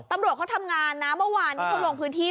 ตำรวจเขาทำงานนะเมื่อวานที่เขาลงพื้นที่